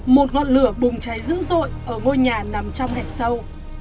một ngọn lửa bùng cháy dữ dội ở ngôi nhà nằm trong hẻm sâu